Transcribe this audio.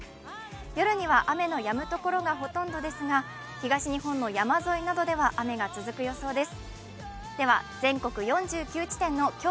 夜には雨のやむところがほとんどですが、東日本の山沿いなどでは雨が続く予想です。